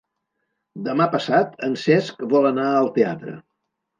Demà passat en Cesc vol anar al teatre.